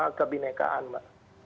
bertema kebinekaan mbak